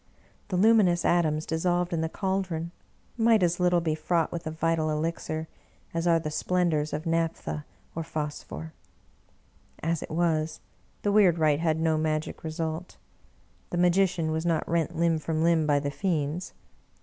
The luminous atoms dissolved in the caldron might as little be fraught with a vital elixir as are the splendors of naphtha or phos phor. As it was, the weird rite had no magic result. The magician was not rent limb from limb by the fiends.